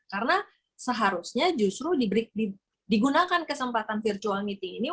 karena seharusnya justru digunakan kesempatan virtual meeting ini